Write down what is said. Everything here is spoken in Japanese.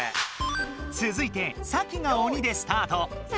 つづいてサキがおにでスタート。